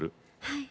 はい。